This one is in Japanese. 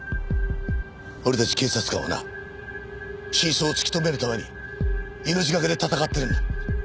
俺たち警察官はな真相を突き止めるために命懸けで戦ってるんだ。